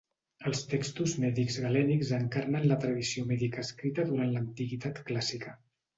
Els textos mèdics galènics encarnen la tradició mèdica escrita durant l'antiguitat clàssica.